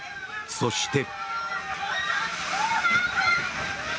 そして。